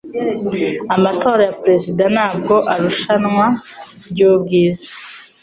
Amatora ya perezida ntabwo arushanwa ryubwiza.